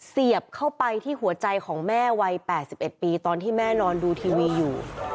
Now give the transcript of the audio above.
เสียบเข้าไปที่หัวใจของแม่วัย๘๑ปีตอนที่แม่นอนดูทีวีอยู่